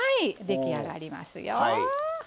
出来上がりますよ。